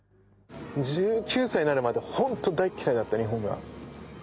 １９歳になるまでホント大嫌いだった日本が。